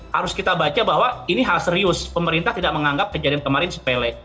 harus kita baca bahwa ini hal serius pemerintah tidak menganggap kejadian kemarin sepele